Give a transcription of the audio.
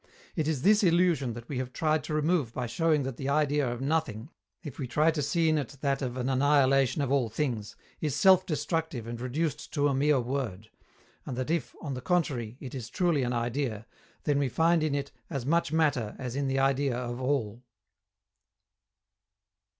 It is this illusion that we have tried to remove by showing that the idea of Nothing, if we try to see in it that of an annihilation of all things, is self destructive and reduced to a mere word; and that if, on the contrary, it is truly an idea, then we find in it as much matter as in the idea of All.